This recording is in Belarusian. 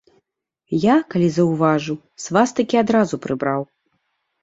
Я, калі заўважыў, свастыкі адразу прыбраў.